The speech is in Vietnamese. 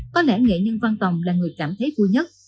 có lẽ nghệ nhân văn tòng là người cảm thấy vui nhất